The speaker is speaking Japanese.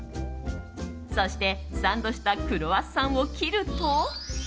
そして、サンドしたクロワッサンを切ると。